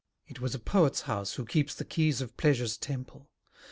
It was a poet's house who keeps the keys Of pleasure's temple.